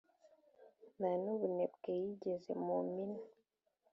nta n' ubunebwe yigeze mu minwe;